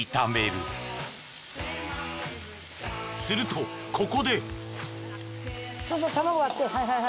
［するとここで］